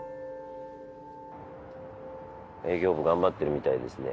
営業部頑張ってるみたいですね。